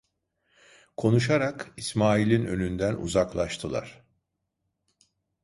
Konuşarak İsmail'in önünden uzaklaştılar.